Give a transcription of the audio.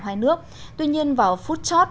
hai nước tuy nhiên vào phút chót